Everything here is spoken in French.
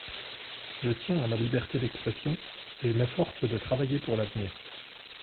Je tiens à ma liberté d’expression et je m’efforce de travailler pour l’avenir.